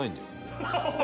アハハハ！